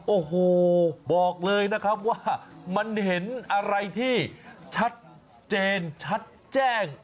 โอ้โหบอกเลยนะครับว่ามันเห็นอะไรที่ชัดเจนชัดแจ้ง